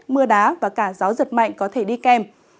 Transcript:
mưa đá và cả gió giật mạnh có thể đi kèm